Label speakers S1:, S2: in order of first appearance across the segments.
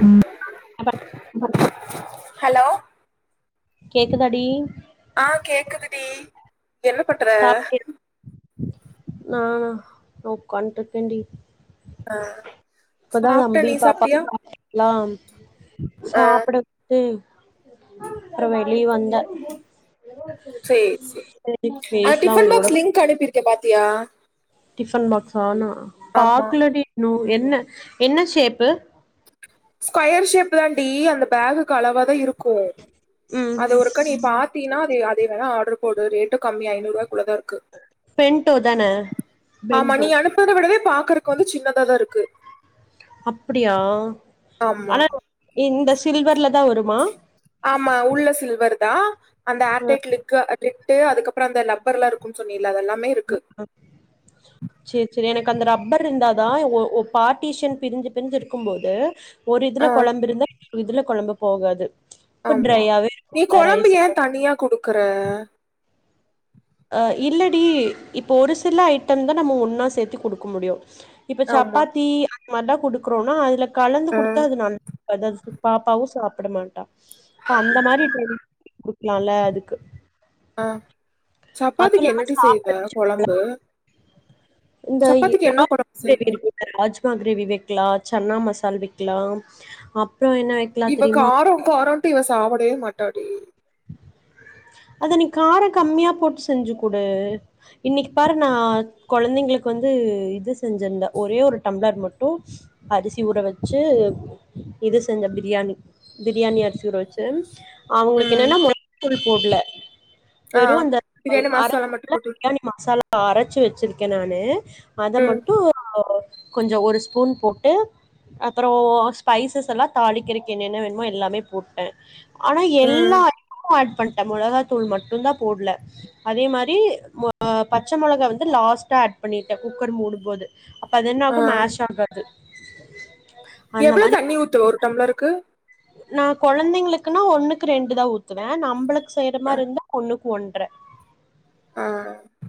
S1: ம்
S2: அப்ப
S1: ஹலோ
S2: கேக்குதாடி
S1: ஆ கேக்குது டி என்ன பண்ற
S2: சாப்ட்டியா நானா ஒக்காண்ட் ருக்கேன்டி
S1: ஆ
S2: இப்பதா
S1: சாப்ட்ட
S2: நம்பி
S1: நீ
S2: பாப்பா
S1: சாப்ட்டியா
S2: [unintelligible] லா
S1: ஆ
S2: சாப்ட [unintelligible] அப்றம் வெளிய வந்தே
S1: சேர் சே
S2: செரி
S1: ஆ
S2: பேசலா
S1: டிஃபன்
S2: உங்க
S1: பாஸ்
S2: கூட
S1: லிங்க் அனுப்பிருக்கேன்பா பாத்தியா
S2: டிஃபன் பாக்ஸ் ஆனா அ
S1: ஆமா
S2: பாக்லடி [unintelligible] என்ன என்ன ஷேப்பு
S1: ஸ்கொயர் ஷேப் தான்டி அந்த பேகுக் அளவா தா இரு க்கு
S2: ம்
S1: அது ஒருக்க நீ பாத்தீன்னா அது அதே வேணா ஆட்ரு போடு ரேட்டு கம்மி ஐநூறு வா உள்ளதா ருக்கு
S2: பென்டோ தான
S1: ஆமா
S2: பென்டோ
S1: நீ அனுப்புத விடவே பாக் உக்கர காலு சின்னதா தா இருக்கு
S2: அப்படியா
S1: ஆமா
S2: ஆனா இந்தஸ் சில்வர்ல தா வருமா
S1: ஆமா உள்ள சில்வர் தா அந்த ஆர்டைட் கிளிக்கு லிட்டு அதுக்கப்புற அந்த ல
S2: சரி சரி எனக்கு அந்த ரப்பர் இருந்தா தா ஒ ஒ பார்ட்டிஷியன் பிரிஞ்சு பிரிஞ்சு இருக்கும்போது ஒரு
S1: ஆ
S2: இதுல கொழம்பு இருந்த ஒரு இதுல கொழம்பு போகாது இப்ப
S1: ஆமா
S2: ட்ரையாவே
S1: நீ
S2: இருக்கும்ல
S1: கொழம்பு ஏ
S2: ரைஸ்லா
S1: தனியா குடுக்குற
S2: அ இல்லடி இப்போ ஒரு சில ஐட்டம் தா நம்ம ஒன்னா சேத்து குடுக்க முடியு இப்ப
S1: ஆமா
S2: சப்பாத்தி அ ந்த மார்லா குடுக்குறோனா அதுல கலந்து
S1: ஆ
S2: குடுத்தா அது [inaudible] இருக்கு பாப்பாவு சாப் பட மாட்டா இப்ப அந்த மாரி லால அதுக்கு
S1: ஆ
S2: அதுவு
S1: சப்பாத்திக்கு
S2: இல்லாம
S1: என்னடி
S2: சாப்ட
S1: செய்வ கொழம்பு
S2: இந்த
S1: சப்பாத்திக்கு என்ன கொழம்பு செய்வ
S2: [inaudible] ராஜ் மா கிரேவி வெக்லா சன்னா மசால் வெக்கலாம் அப்
S1: இவ கார காரன் இவ சாப்படவே மாட்டாடி
S2: அது நீ கார கம்மியா போட்டு செஞ்சு குடு இன்னைக்கு பாரு நா கொழந்தைங்களுக்கு வந்து இது செஞ்சிருந்த ஒரே ஒரு டம்ளர் மட்டு அரிசி ஊற வச்சு இது செஞ்ச பிரியாணி பிரியாணி அரிசி ஊற வச்சு அ
S1: ம்
S2: என்னனா [unintelligible]
S1: ஆ
S2: வெறு அந்த
S1: பிரியாணி மசாலா மட்டு
S2: அரப்போல
S1: போட்டு
S2: பிரியாணி மசாலா அரச்சு வச்சிருக்க நானு அத
S1: ம்
S2: மட்டு கொஞ்சோ ஒரு ஸ்பூன் போட்டு அப்பறோ ஸ்பைசஸ் எல்லா தாளிக்கிறக்கு என்னன்ன வேணுமோ எல்லாமே போட்ட ஆனா எல்லா
S1: ம்
S2: [inaudible] ஆட் பண் ணிட்ட மொளகாத்தூள் மட்டுந்தா போட்ல அதே மாரி மொ பச்ச மொளகா வந்து லாஸ்ட்டா ஆட் பண்ணிட்ட குக்கர் மூடும்போது அப்ப அது
S1: ஆ
S2: என்னாகு மேஷ் ஆகாது அந்த
S1: எவ்ளோ
S2: மாரி
S1: தண்ணி ஊத்துவ ஒரு டம்லருக்கு
S2: நா கொழந்தைங்களுக்குனா ஒண்ணுக்கு ரெண்டு தா ஊத்துவ நம்பளுக்கு செய்ற
S1: ஆ
S2: மாரி இருந்தா ஒண்ணு ஒன்ற
S1: அ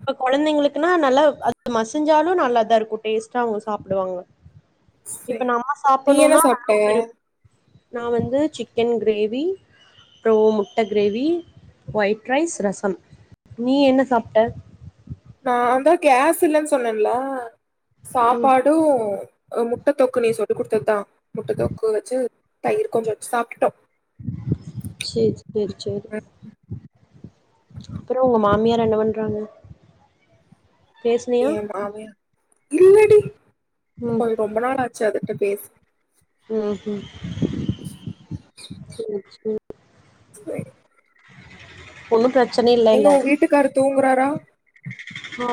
S2: ப்ப குழந்தைங்களுக்குனா நல்லா அது மசிஞ்சாலு நல்லா தா இருக்கு டேஸ்டா அவுங்க சாப்டுவாங்க இப்ப
S1: சேர்
S2: நம்ம
S1: நீ என்ன
S2: சாப்பணுன்னா நல்லா
S1: சாப்ட
S2: ஒரு நா வந்து சிக்கன் கிரேவி அப்றோ முட்ட கிரேவி ஒயிட் ரைஸ் ரசம் நீ என்ன சாப்ட
S1: நா தா கேஸ் இல்லன்னு சொன்னல
S2: ம்
S1: சாப்பாடும் முட்ட தொக்கு நீ சொன் குடுத்ததுதா முட்ட தொக்கு வச்சு தயிர் கொஞ்சோ வச்சு சாப்ட்டுட்டோ
S2: செரி செரி செரி அப்றோ உங்க மாமியார் என்ன பண்றாங்க பேசுனியா
S1: ஏ மாமியா இல்லடி
S2: ம்
S1: கொஞ் ரொம்ப நாள் ஆச்சு அதுட்ட பேசு
S2: ம்ஹும் செரி சேரி ஒண்ணு பிரச்
S1: எங்க உ வீட்டுக்காரு தூங்குறாரா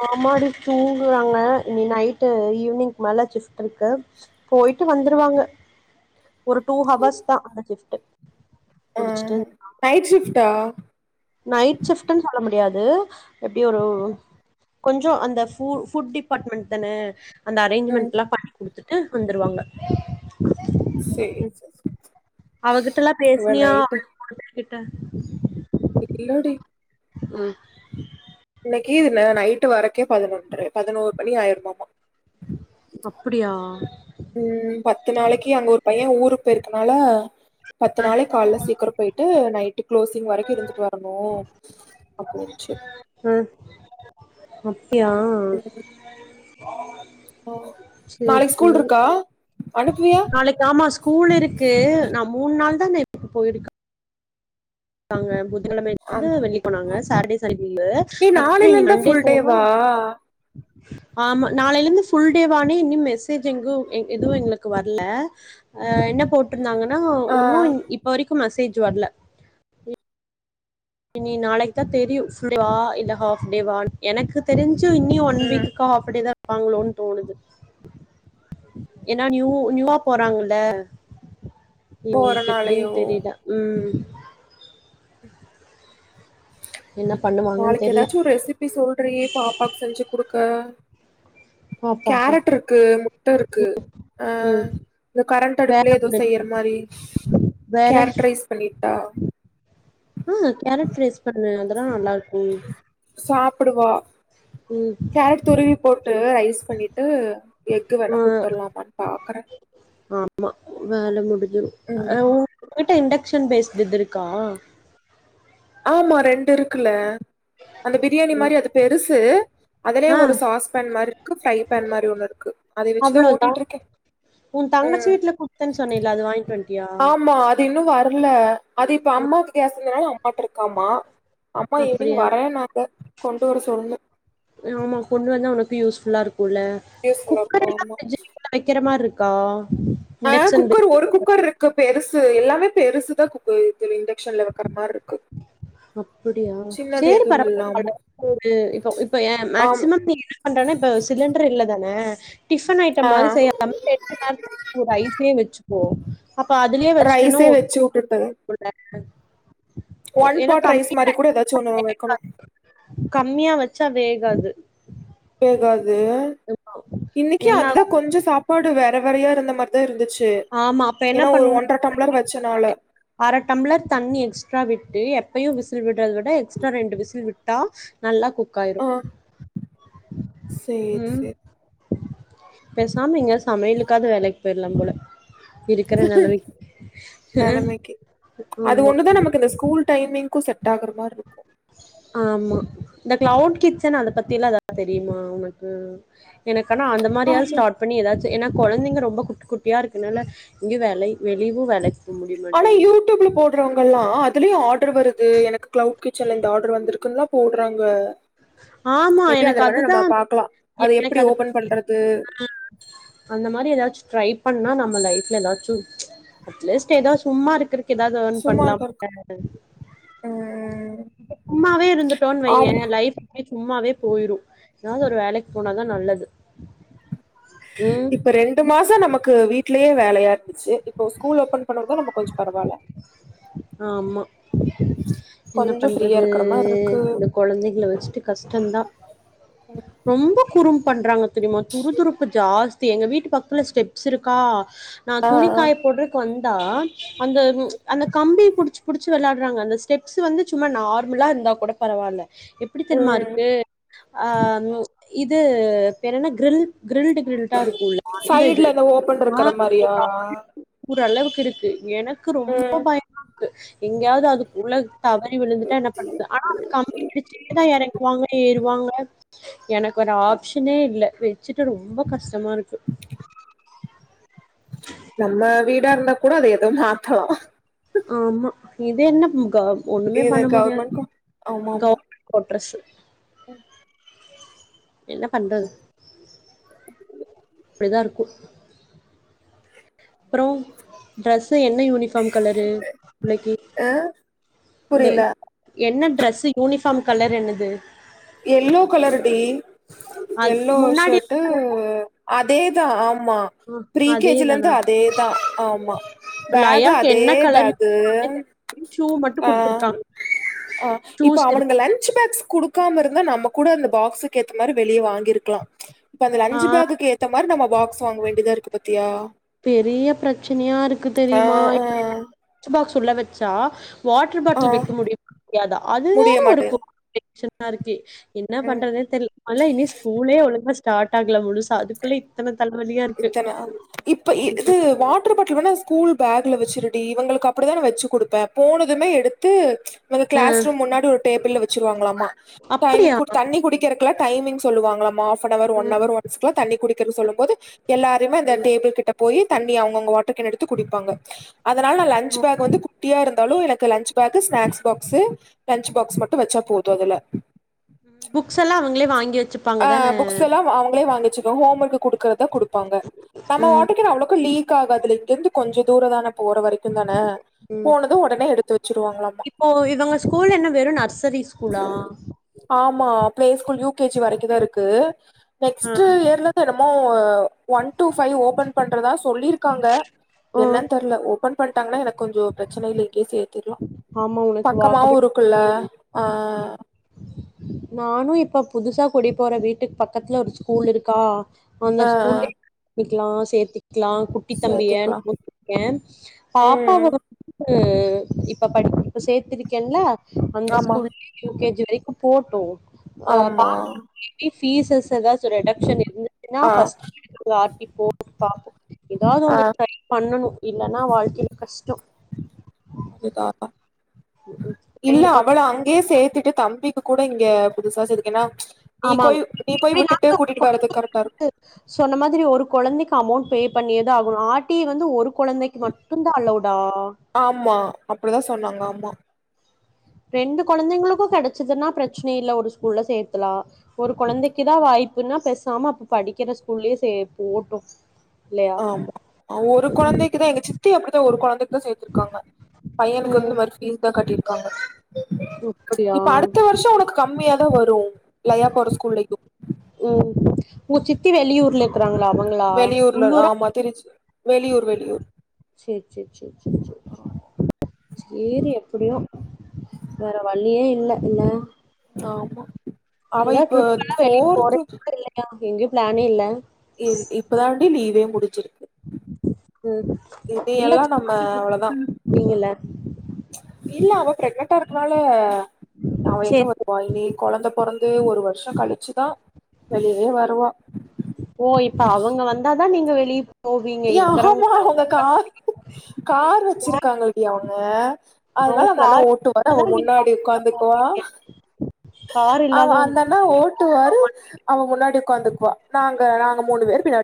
S2: ஆமாடி தூங்குராங்க இனி நைட்டு ஈவ்னிங் மேல ஷிஃப்ட் இருக்கு போயிட்டு வந்துருவாங்க ஒரு டூ ஹவர்ஸ் தா அந்த ஷிஃப்ட்
S1: அ நைட் ஷிஃப்ட் ட்டா
S2: நைட்ஷிஃப்டுனு சொல்ல முடி டியாது எப்படி ஒரு கொஞ்சோ அந்த ஃபு ஃபுட் டிபார்ட்மெண்ட் தானே அந்த
S1: ம்
S2: அரேஞ்மெண்ட்லல்லாம் பண்ணி குடுத்துட்டு வந்துடுவாங்க
S1: சேரி சேரி சேரி ச
S2: அவகிட்ட எல்லாப் பேசினியா ட்ட
S1: இல்லடி
S2: ம்
S1: இதுல நைட்டு வரக்கே பதினொன்ற பதினோரு மணி ஆயிருமாமா
S2: அப்பிடியா
S1: ம் பத்து நாளைக்கு அங்க ஒரு பையன் ஊருக் போயிருக்கனால பத்து நாளைக் காலைல சீக்கிரம் போயிட்டு நைட் கிளோசிங் வரைக்கு இருந்துட்டு வரணு அப்டீன்ச்சி
S2: ப்டியா செரி
S1: நாளைக்கு
S2: செரி
S1: ஸ்கூல் இருக்கா அனுப்புவியா
S2: நாளைக்கு ஆமா ஸ்கூல் இருக்கு நா மூண் நாள் தா நேத்துக்கு போயிருக்கா தாங்க அப்புத் கெழமைலருந்து வெள்ளி போனாங்க
S1: ஆமா.
S2: சாட்டர்டே [unintelligible]
S1: ஏ
S2: அதுக்கப்புறோ
S1: நாளைல
S2: இனி
S1: இருந்தா
S2: மண்டே
S1: ஃபுல்
S2: போவா
S1: டேவா
S2: ஆமா நாளைலேந்து ஃபுல் டேவான்னு இனி மெசேஜ் எங்கு எத் எதுவு எங்களுக்கு வர்ல அ என்னப் போட்டிருந்தாங்கன்னா
S1: ஆ
S2: ஒன்னு இப்ப வரிக் கு மெசேஜ் வர்ல இனி நாளைக்கு தா தெரியு ஃபுல்டேவா இல்ல ஹாஃப்டேவான் எனக்கு தெரிஞ் சு இன்னியு ஒன்
S1: ம்
S2: வீக்குக்கு ஹாஃப்டே தா ப்பாங்களோன் தோணுது ஏனா நியூ நியூவாப் போறாங்கல்ல
S1: போற
S2: இவுங்களுக்கு எப்பிடின்
S1: நாளையோ
S2: தெரில ம் என்ன பண்ணுவாங்கன்
S1: நாளைக்கு
S2: தெர்ல
S1: ஏதாச்சு ரெசிபி சொல்றீ பாப்பாக்கு செஞ்சி குடுத் க
S2: பாப்பாக்கா
S1: கேரட்ருக்கு முட்டருக்கு அ
S2: ம்
S1: இந்த கரண்ட்
S2: வேற
S1: அடுப்புலயே எது செய்யிற மாரி
S2: வேற
S1: கேரட் ரைஸ் பண்ணி டா
S2: ம் கேரட் ரைஸ் பண்ணு அதெல்லா நல்லாருக்கு
S1: சாப்புடுவா
S2: ம்
S1: கேரட் துருவி போட்டு ரைஸ் பண்ணிட்டு எஃகு வேணா
S2: ஆ
S1: குடுத்தட்லாமான் பாக்கற
S2: அது உ ங்கிட்ட இண்டக்ஷன் பேஸ்டு இது இருக்கா
S1: ஆமா ரெண்டு இருக்குல அந்த பிரியாணி மாரி அது பெருசு அதுலயே
S2: ஆ
S1: ஒரு சாஸ் பேன் மாரிருக்கு ஃப்ரை பேன் மாரி ஒன்னுருக்கு அது வெச்சிதா
S2: அவ்ளோதா
S1: ஓட்டிட்டுருக்கே
S2: உன் தங்கச்சி
S1: ம்
S2: வீட்ல குடுத்தேன்னு சொன்னேல அது வாங்கிட்டு வன்ட்டியா
S1: ஆமா அது இன்னு வ தெர்ல அது இப்ப அம்மாக்கு கேஸ் இருந்தனால மாட்டருக்காமா அம்மா ஈவ்னிங்
S2: அப்டியா
S1: வரேனாங்க கொண்டு வர சொல்ணு
S2: கு யூஸ்ஃபுல்லாருக் குள்ள குக்கரெல்லா
S1: ஆமா
S2: பிரிட்ஜுல வெக்கற மார்ருக் ஆ
S1: ஆ குக்கர் ஒரு குக்கர்ருக்கு பெருசு எல்லாமே பெருசு தா குப் இந்த இண்டெக்ஷன்ல வைக்கற
S2: அப்படியா
S1: சின்னது
S2: சேரி
S1: எதுவும் இல்ல
S2: பரவால
S1: ஆமா
S2: இப்ப ஏ இப்ப
S1: ஆமா
S2: மேக்சிமம் நீ என்ன பண்றன்னா இப்ப சிலிண்டர் இல்லேதானே [unintelligible] டிஃபன்
S1: ஆ
S2: ஐட்டம் மாரி செய்யாம ரெண்டு நேரத்துக்கு ஒ ரைஸே வச்சுகுவோம் அப்ப அதுலயே வச்சுட்டேன்னோ
S1: ரைஸே வச்சு வுட்டுட்டு ஒன்
S2: ஏன்னா
S1: பாட் ரைஸ்
S2: கம்மியா
S1: மாரி கூட ஏதாச்சு
S2: வச்சா
S1: ஒண்ணு வைக்கணு
S2: வேகாது கம்மியா வச்சா வேகாது
S1: வேகாது இன்னைக்கு
S2: என்ன
S1: அதுதான்
S2: ஆகு
S1: கொஞ்சோம் சாப்பாடு வேக நிறையா இருந்த மாதிரிதான் இருந்துச்சு
S2: ஆமா அப்ப
S1: து
S2: என்ன
S1: ஏன்னா ஒரு
S2: பண்ணுனா
S1: ஒன்றரை டம்ளர் வச்சனால
S2: அர டம்ளர் தண்ணி எக்ஸ்ட்ரா விட்டு எப்பையும் விசில் விட் வவிட எக்ஸட்ரா ரெண்டு விசில் விட்டு ட்ட நல்லா குக் ஆயிரு
S1: ஆ சேரி
S2: ம்
S1: சேரி
S2: பேசாம எங்காச்சும் சமையலுக்காவது வேலைக்கு போயிரலாம் போல இருக்கற நெலமைக்கு ஆ
S1: நெலமைக்கு அது ஒண்ணு தான் நமக்கு இந்த ஸ்கூல் டைமிங்கும் செட் வேகர மாரி இருக்கும்
S2: ஆமா இந்த கிளவுட் கிச்சன் அத பத்திலா எதாவது தெரியுமா உனக்கு எனக்குனா அந்த மாரியாது
S1: ஆமா
S2: ஸ்டார்ட் பண்ணி ஏதாச் ஏன்னா கொழந்தைங்க ரொம்ப குட்டி குட்டியாக இருக்குதுனால எங்கேயே வேல வெளியவும் வேலைக்
S1: ஆனா யூடியூப்ல போடுறவங்க எல்லாம் அத் குல ஆட் வருது எனக்கு கிளவுட் கிச்சன்ல இந்த ஆர்டர் வந்திருக்குலா போடுறாங்க
S2: ஆமா
S1: மேபி
S2: எனக்கு
S1: அதுல வேணா
S2: அதுதா
S1: நம்ம பாக்கலா அது
S2: எனக்கு
S1: எப்படி
S2: அத
S1: ஓபன்
S2: பத்தி
S1: பண்றது
S2: அ அந்த மாரி ஏதாச்சு ட்ரை பண்ணா நம் லைப்ல ஏதாச்சு ச்சு ஏதோ சும்மா இருக்கு ஏதாவது எர்ன்
S1: சும்மா இருக்க
S2: பண்லாமில்லே
S1: ம்
S2: சும்மாவே இருந்துட்டோன் வையே
S1: ஆமா
S2: லைஃப் சும்மாவே போயிரும் ஏதாவது ஒரு வேலைக்கு போனாதா நல்லது ம்
S1: இப்ப ரெண்டு மாச நமக் க்கு வீட்லயே வேலையாட் சேரி இப்போ ஸ்கூல் ஓபன் பண்ணரதாலே நம்ம கொஞ்ச பரவால்ல
S2: ஆமா என்ன
S1: கொஞ்சோ ஃப்ரீயா
S2: பண்றது
S1: இருக்கிற மாரி இருக்கு
S2: இந்த குழந்தைகள வச்சுட்டு கஷ்டந்தா ரொம்ப குறும் பண்றாங்க தெரிமா துறுதுறுப்பு ஜாஸ் தி எங்க வீட்டு பக்துல ஸ்டெப்ஸ் இருக்கா நா
S1: ஆ ஆ
S2: துணிக்காய போடுறக்கு வந் தா அந்த ச்சு அந்த கம்பி புடுச்சு புடுச்சு விளாடுறாங்க அந்த ஸ்டெப்ஸ் வந்து சும்மா நார்மலா இருந்தா கூட பரவால எப்டி தெருமா
S1: ம்
S2: இருக்கு ஆ ன்னு இது பேரு என்ன க்ரில் கிரில்டு கிரில்டா இருக்குலபா அந்த இது
S1: சைட்ல ஓபன் இருக்கிற மாரியா
S2: [unintelligible] அளவுக்கு இருக்கு ஏன்னா க்கு ரொம் ரொம்ப
S1: ம்
S2: பயமா இருக்கு எங்கயாவது அதுக்கு உள்ள தவறி விழுந்துட்டா என்ன பண்றது ஆனா அது கம்பி படிச்சேதா எறங் வாங்க ஏறுவாங்க எனக்கு ஒரு ஆப்ஷனே இல்ல வச்சுட்டு ரொம்ப கஷ் டமா இருக்கு
S1: நம்ம வீடா இருந்தா கூட அது எதும் மாத்தலா
S2: ஆமா இது என்ன ம் க ஒண்ணுமே
S1: இது
S2: பண்ண முடியாது
S1: கவர்மெண்ட்கு ஆமா ஆமா
S2: கவர்மெண்ட் கோட்ரஸ்ஸு
S1: [unintelligible]
S2: என்ன பண்றது அப்டிதா இருக்கு ப்புறோ டிரஸ் த என்ன யூனிஃபார்ம் கலரு புள்ளக்கி
S1: அ
S2: இந்த எ
S1: புரியல
S2: என்ன ட்ரெசு யூனிஃபார்ம் கலர் என்னது
S1: எல்லோ கலர் டி
S2: அது
S1: எல்லோ
S2: முன்னாடி
S1: ஷர்டு அதே தா ஆம் ஆமா
S2: ஆ
S1: ஃப்ரீ கே ஜி ல இருந்து
S2: அதேதானா
S1: அதேதா ஆம் ம்மா பேக்கு
S2: லயாக்கு
S1: அதே
S2: என்ன கலர்
S1: பேக்கு
S2: யூனிஃபார்மே தெர்ல ஷூ மட்டு
S1: ஆ
S2: குடுத்துருக்காங்க
S1: ஆ இப்ப
S2: ஷூஸ்
S1: அவனுங்க
S2: இருக்கு
S1: லன்ச் பேக்ஸ் குடுக் க்காம இருந்தா நம்ம கூட அந்த பாக்ஸுக்கு ஏத்த மாரி வெளியே வாங்கிருக்கலா ம்ச் இப்ப அந்த லஞ்சு
S2: ஆ
S1: பேக்கு ஏத்த மாரி நம்ம பாக்ஸ் வாங்க வேண்டியதா இருக்கு பாத்தியா
S2: பெரிய பிரச்சனையா இருக்கு
S1: ஆ
S2: தெரியுமா [unintelligible]
S1: ஆ
S2: லன்ச் பாக்ஸ் துல வச்சா வாட்டர்
S1: ஆ
S2: பாட்டில் வெக்க முடியாதா அது
S1: முடிய
S2: வேற ஒரு [inaudible]
S1: மாட்டேங்குது
S2: ஆருக்கி என்ன
S1: ம்
S2: பண்றதுன் தெரில் மொதல இன்னூ ஸ்கூலே ஒழுங்கா ஸ் டாட் ஆகல முழுசா அதுக்குள்ள இத்தனத்
S1: இத்தன அப் இப் இப்ப இது வா டர் பாட்டல் வேணா ஸ்கூல் பேக்ல வச்சிருடி இவங்களுக்கு அப்படிதா நா வச்சு குடுப்பே போனதுமே எடுத்து எங்க
S2: ஆ
S1: க்ளாஸ் ரூம் முன்னாடி ஒரு டேபிள்ல வச்சிருவாங்களாமா
S2: அப்படியா
S1: டைம்க்கு தண்ணி குடிக்கிறக்குலா டைமிங் சொல்லுவாங்களாமா ஆஃபனவர் ஒன்
S2: ம்
S1: அவர் ஒன்ஸ்க்லா தண்ணி குடிக்கிறக்கு சொல்லும் போது எல்லாருமே அந்த
S2: ம்
S1: டேபிள் கிட்ட போயி தண்ணி அவுங்கவுங்க வாட்டர் கேன் எடுத்து குடிப்பாங்க அதனால நா லன்ச்
S2: ம்
S1: பேக் வந்து குட்டியா இருந்தாலூ எனக்கு lunch bag snacks box lunch box மட்டு வச்சா போதூ அதுல
S2: புக்ஸ் எல்லா அவங்களே வாங்கி வச்சுப்பாங்க
S1: ஆ
S2: தான
S1: புக்ஸ் எல்லா அவங்களே வாங்கி வச்சுகுவாங் ஹோம் ஒர்க் குடுக்கறதா குடு அ நம்ம
S2: ம்
S1: வாட்டர் கேன் அவ்ளக்கூ லீக் ஆகாதுல இங்கேருந்து கொஞ்ச தூரோ தான போற வரைக்குந்தானே
S2: ம்
S1: போனதூ ஒடனே எடுத்து வச்சிருவாங்களாமா
S2: செரி ஸ்கூலா
S1: மா play school U K G வரைக்கு தா இருக்கு
S2: ஆ
S1: நெக்ஸ்ட்டு இயர்லதா நம் மோ ஒன் டூ ஃபை ஓபன் பண்றதா சொல்லிருக்காங்க
S2: ஓ
S1: என்னன் தெரில ஒ பன் பண் ட்டாங்கன்னா எனக்கு கொஞ்சோ ப்ரச்னைல்ல இங்கயே சேத்திர்லா
S2: ஆமா உனக்கு
S1: பக்கமாவூ
S2: வாக்கபிள்
S1: இருக்குல்ல ஆ
S2: நானூ இப்ப புதுசா குடி போற வீட்டுக் பக்கத்துல ஒரு ஸ்கூல் இருக்கா அந்த
S1: ஆ
S2: ஸ்கூல்லே
S1: ஆ
S2: பிக்லா சேத்துக் க்லா குட்டி தம்பிய
S1: சேத்திக்கலா
S2: [inaudible] பாப்பாவ
S1: ம்
S2: து இப்ப படிக் இப்போ சேத்துருக்கேன்ல அந்த
S1: ஆமா
S2: ஸ்கூல்லே யூ கே ஜி வரைக் போட் டோ
S1: ஆமா
S2: சீசஸ் [unintelligible] சொல்லிட்டோ
S1: ஆ
S2: [inaudible] ஃபர்ஸ்ட்டு [inaudible] ஆர்டி போட்டு பாப்போ ஏதாவது
S1: ஆ
S2: ஒன்னு ட்ரை பண்ணனு இல்லனா வாழ்கைல கஷ்ட்டோ
S1: அது தா அதா இல்ல
S2: ரெண்டு கொழ
S1: அவள அங்கே சேத்துட்டு தம்பி கூட இங்க புதுசா செதுகென்னா
S2: ஆமாம் [inaudible]
S1: வர்றதுக்கு கரெக்டா இருக்கு
S2: சொன்ன மாதிரி ஒரு கொழந்தைக்கு அமௌண்ட் பே பண்ணியேதா ஆகனு ஆர்டி வந்து ஒரு கொழந்தைக்கு மட்டு தா அலவ்
S1: ஆமா அப்டிதா சொன்னாங்க ஆமா
S2: ரெண்டு கொழந்தைங்களுக்கு கெடச்சதுன்னா பிரச்னையே இல்ல ஒரு ஸ்கூல்ல சேத்லா ஒரு கொழந்தைக்கு தா வாய்ப் இல்லனா பேசாம அப்ப படிக்கிற ஸ்கூல்லயே சேர் போட்டு இல்லையா
S1: ஆமா ஒரு கொழந்தைக்குதா எங்க சித் தி அப்டிதா ஒரு கொழந்த சேத்ருக்காங்க பையனுக்கு வந்து
S2: ம்
S1: இந்த மாரி பீஸ் தா கட்டிருக்காங்க ம்ச்
S2: அப்படியா
S1: இப்ப அடுத்த வருஷோ ஒனக்கு கம்மியா தா வரு லையா போற ஸ்கூல்லயு
S2: ஒங்க சித்தி வெளியூர்ல இருக்குறாங்களா ங்களா
S1: வெளியூர்ல
S2: உள்ளூரா
S1: ஆமா திருச்சி வெளியூர் வெளியூர்
S2: சேரி சேரி சேரி சேரி சேரி சேரி எப்டியு வேற வளியே இல்ல இல்ல
S1: ஆமா அவ
S2: ஏங்க
S1: இப்ப
S2: ட்ரிப்பெல்லா
S1: ஃபோர்த்து
S2: வெளியே [inaudible] இல்லையா எங்க பிளானே இல்ல
S1: ஏ இப்பதாண்டி லீவே முடிஞ்சிருக்கு
S2: ம்
S1: இனி
S2: இல்ல
S1: எல்லா நம்ப அவ்ளோதா
S2: ங்கள
S1: ம்ச் இல்ல அவ ப்ரெக்னன்ட்டா இருக்குறாலோ அவ எங்க
S2: சரி
S1: வருவா இனி கொழந்த பொறந்து ஒரு வருஷோ கழிச்சுதா வெளிலே வருவா
S2: ஓ இப்ப அவங்க வந்தா நீங்க வெளிய போவீங்க
S1: ஏ ஆமா
S2: இருக்கிறவங்கல்லா
S1: அவங்க கா கார் வச்சிருக்காங்க அப்டியா [unintelligible] அதனால
S2: உ
S1: அந்த அண்ணா
S2: கார்
S1: ஓட்டுவாரு அவன்
S2: தான் நீங்க
S1: முன்னாடி உக்காந்துக்குவா
S2: கார்
S1: அவ
S2: இல்லாதவங்க
S1: அந்தண்ணா ஓட்டுவாரு அவ முன்னாடி உக்காந்துக் வா நாங்க நாங்க மூணு பேர் பின்னா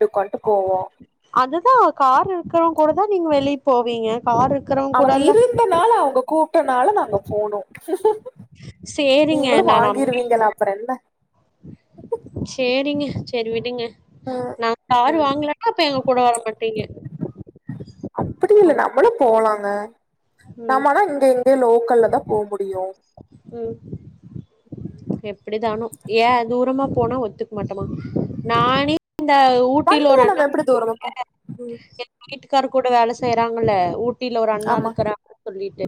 S2: அதுதா காரு க்குறவங்க கூடதா நீங்க வெளிய போவீங்க கார் இருக்கிறவங்க
S1: அவங்க
S2: கூடல்லா
S1: இருந்தனால அவங்க கூ ட்டனால நாங்க போனோம்
S2: சேரிங்க நான்
S1: அப்றோ என்ன
S2: [unintelligible] சேரிங்க சேரி விடுங்க
S1: ம்
S2: நாங்க காரு
S1: ம்
S2: வாங்கலன்னா அப்ப எங்க கூட வர மாட்டீங்க அப்புட்
S1: ல நம்மனா இங்க எங்கய லோக்கல்ல தான் போ முடியும்
S2: ம் எப்புடிதானும் ஏன் தூரமா போனா ஒத்துக் மாட்டமா நானே இந்த ஊட்டியில
S1: வண்டில
S2: ஒரு அண்ணா
S1: நம்ம எப்டி தூர வைப்போ ம்
S2: [unintelligible] எங்க வீட்டுக்காரு கூட வேலை ஸ் செய்றாங்கள்ல ஊட் ட்டில ஒரு அண்ணா
S1: ஆமா
S2: இருக்குறாங்க சொல்லிட்டு